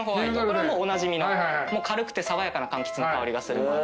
これはもうおなじみの軽くて爽やかなかんきつの香りがするもの。